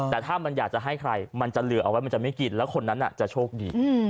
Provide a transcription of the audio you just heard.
แต่ถ้ามันอยากจะให้ใครมันจะเหลือเอาไว้มันจะไม่กินแล้วคนนั้นจะโชคดี